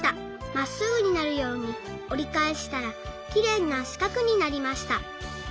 まっすぐになるようにおりかえしたらきれいなしかくになりました。